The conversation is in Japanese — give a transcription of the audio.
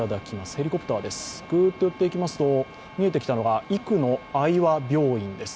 ヘリコプターです、寄っていきますと見えてきたのが生野愛和病院です。